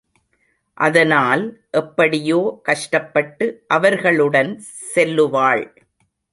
அதனால் எப்படியோ கஷ்டப்பட்டு அவர்களுடன் செல்லுவாள்.